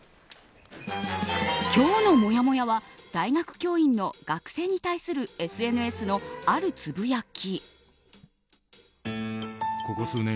今日のもやもやは大学教員の学生に対するＳＮＳのあるつぶやき。